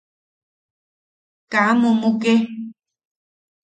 Kaa mumuke.